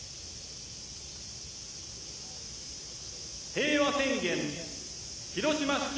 平和宣言、広島市長。